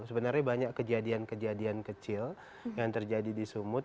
sebenarnya banyak kejadian kejadian kecil yang terjadi di sumut